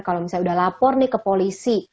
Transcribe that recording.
kalau misalnya udah lapor nih ke polisi